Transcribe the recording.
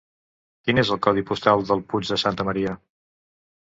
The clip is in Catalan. Quin és el codi postal del Puig de Santa Maria?